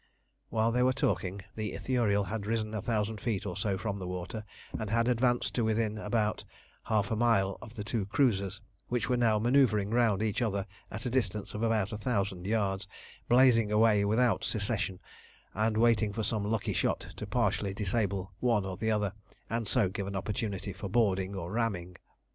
While they were talking, the Ithuriel had risen a thousand feet or so from the water, and had advanced to within about half a mile of the two cruisers, which were now manœuvring round each other at a distance of about a thousand yards, blazing away without cessation, and waiting for some lucky shot to partially disable one or the other, and so give an opportunity for boarding, or ramming.